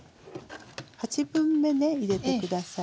八分目ね入れて下さいね。